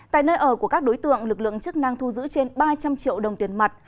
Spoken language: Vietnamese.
tại nơi ở của các đối tượng lực lượng chức năng thu giữ trên ba trăm linh triệu đồng tiền mặt